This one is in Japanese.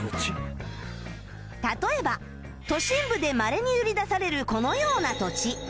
例えば都心部でまれに売り出されるこのような土地